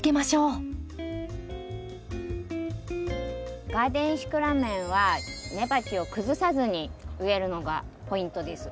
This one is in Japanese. ではガーデンシクラメンは根鉢を崩さずに植えるのがポイントです。